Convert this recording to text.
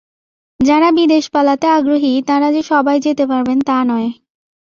যাঁরা বিদেশে পালাতে আগ্রহী, তাঁরা যে সবাই যেতে পারবেন তা নয়।